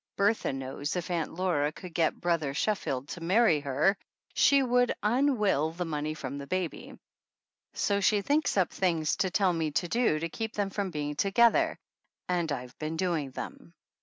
Bertha knows if Aunt Laura could get Brother Sheffield to marry her she would unwill the 59 THE ANNALS OF ANN money from the baby ; so she thinks up things to tell me to do to keep them from being together, and I've been doing them.